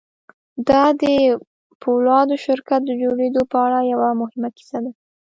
دا د پولادو شرکت د جوړېدو په اړه یوه مهمه کیسه ده